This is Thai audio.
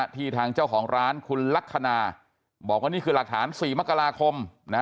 ทางเจ้าของร้านคุณลักษณะบอกว่านี่คือหลักฐาน๔มกราคม